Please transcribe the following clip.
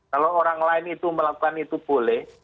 kalau orang lain itu melakukan itu boleh